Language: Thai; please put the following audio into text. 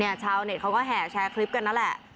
ชาวเน็ตเขาก็แห่แชร์คลิปกันนั่นแหละ